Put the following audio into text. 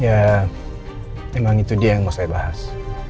ya memang itu dia yang mau saya bahas